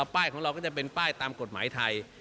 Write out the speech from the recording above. ป้ายของเราก็จะเป็นป้ายตามกฎหมายไทย